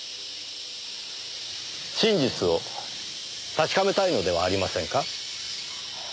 真実を確かめたいのではありませんか？